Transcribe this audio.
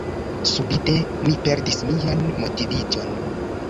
Subite, mi perdis mian motiviĝon.